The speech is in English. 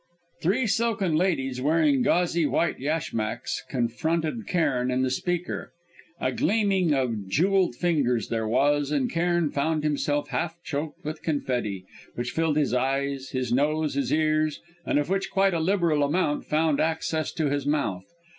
Three silken ladies wearing gauzy white yashmaks confronted Cairn and the speaker. A gleaming of jewelled fingers there was and Cairn found himself half choked with confetti, which filled his eyes, his nose, his ears, and of which quite a liberal amount found access to his mouth.